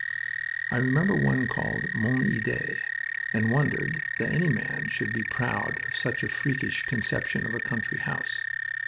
I remember one called Mon Idee, and wondered that any man should be proud of such a freakish conception of a country house.